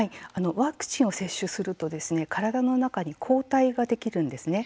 ワクチンを接種すると体の中に抗体ができるんですね。